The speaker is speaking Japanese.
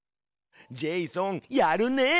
ジェイソンやるね。